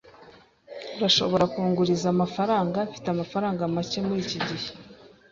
Urashobora kunguriza amafaranga? Mfite amafaranga make muriki gihe.